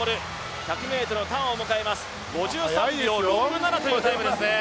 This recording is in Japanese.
１００ｍのターン、５３秒６７というタイムですね。